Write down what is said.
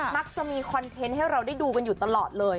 มักจะมีคอนเทนต์ให้เราได้ดูกันอยู่ตลอดเลย